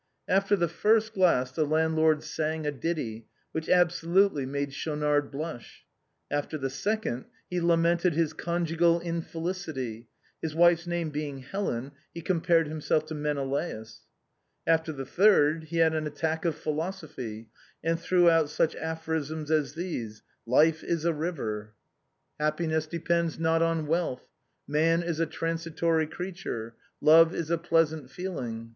After the first glass the landlord sang a ditty, which ab solutely made Schaunard blush. After the second, he lamented his conjugal infelicity. His wife's name being Helen, he compared himself to Mene laus. After the third, he had an attack of philosophy, and threw out such aphorisms as these : "Life is a river." 368 THE BOHEMIANS OF THE LATIN QUARTER. " Happiness depends not on wealth/' " Man is a transitory creature." " Love is a pleasant feeling."